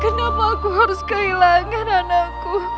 kenapa aku harus kehilangan anakku